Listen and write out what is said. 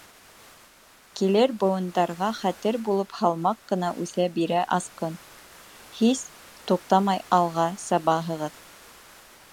Килер быуындарға хәтер булып Һалмаҡ ҡына үҫә бирә Асҡын, Һис туҡтамай алға сабаһығыҙ.